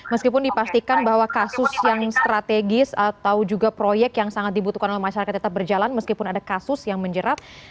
meskipun dipastikan bahwa kasus yang strategis atau juga proyek yang sangat dibutuhkan oleh masyarakat tetap berjalan meskipun ada kasus yang menjerat